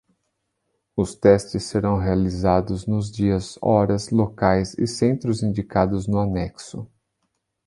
Os testes serão realizados nos dias, horas, locais e centros indicados no anexo.